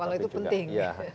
kalau itu penting